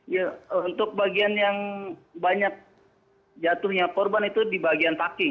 ya untuk bagian yang banyak jatuhnya korban itu di bagian kaki